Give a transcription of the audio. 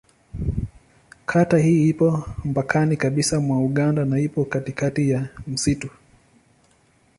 Kata hii ipo mpakani kabisa mwa Uganda na ipo katikati ya msitu.